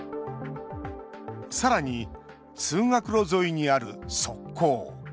さらに通学路沿いにある側溝。